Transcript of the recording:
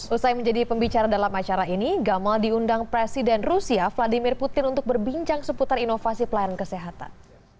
usai menjadi pembicara dalam acara ini gamal diundang presiden rusia vladimir putin untuk berbincang seputar inovasi pelayanan kesehatan